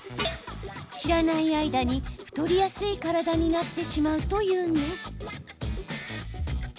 知らない間に、太りやすい体になってしまうというんです。